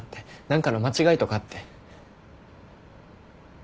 何かの間違いとかって。